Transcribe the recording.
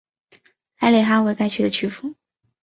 埃里哈为该区的首府。